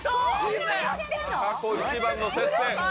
過去一番の接戦。